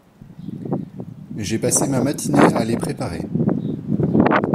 J'ai passé ma matinée a les préparer …